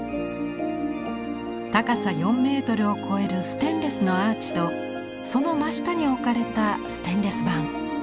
高さ４メートルを超えるステンレスのアーチとその真下に置かれたステンレス板。